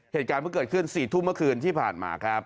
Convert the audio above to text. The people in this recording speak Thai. เหตุการณ์เพิ่งเกิดขึ้น๔ทุ่มเมื่อคืนที่ผ่านมาครับ